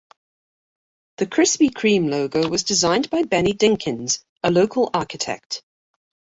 The Krispy Kreme logo was designed by Benny Dinkins, a local architect.